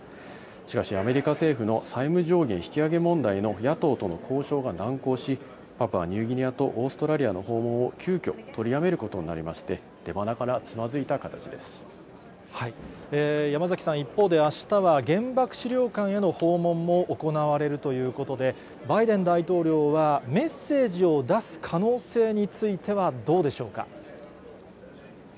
しかし、アメリカ政府の債務上限引き上げ問題の野党との交渉が難航し、パプアニューギニアとオーストラリアの訪問を急きょ、取りやめることになりまして、山崎さん、一方で、あしたは原爆資料館への訪問も行われるということで、バイデン大統領はメッセージを出す可能性についてはどうでしょうか。